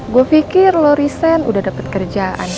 gue pikir lo recent udah dapet kerjaan